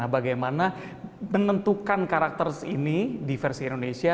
bagaimana menentukan karakter ini di versi indonesia